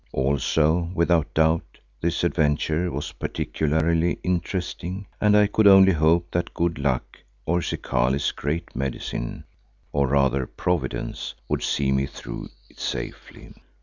Also without doubt this adventure was particularly interesting and I could only hope that good luck, or Zikali's Great Medicine, or rather Providence, would see me through it safely.